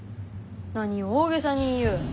何を大げさに言いゆう。